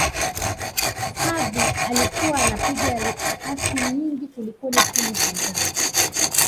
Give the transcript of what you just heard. Xavi alikuwa anapiga pasi nyingi kuliko timu pinzani